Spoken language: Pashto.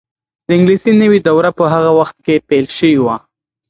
د انګلیسي نوې دوره په هغه وخت کې پیل شوې وه.